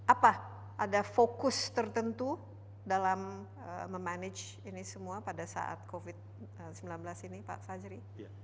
apa ada fokus tertentu dalam memanage ini semua pada saat covid sembilan belas ini pak fajri